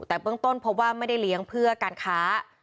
แต่เบื้องต้นเพราะว่าไม่ได้เลี้ยงเพื่อการค้า